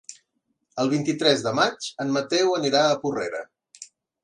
El vint-i-tres de maig en Mateu anirà a Porrera.